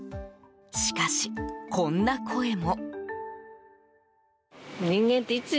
しかし、こんな声も。